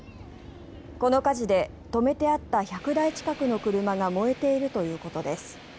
この火事で止めてあった１００台近くの車が燃えているということです。